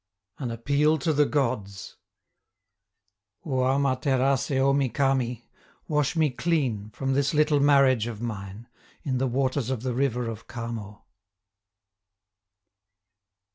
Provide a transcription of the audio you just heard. An Appeal to the Gods Oama Terace Omi Kami, wash me clean from this little marriage of mine, in the waters of the river of Kamo!